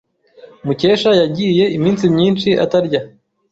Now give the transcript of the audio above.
Mukesha yagiye iminsi myinshi atarya.